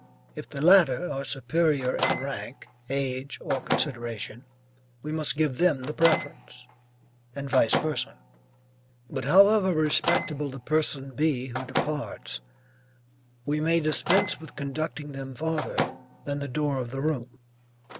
If the latter are superior in rank, age or consideration, we must give them the preference, and vice versa. But however respectable the person be who departs, we may dispense with conducting them farther than the door of the room.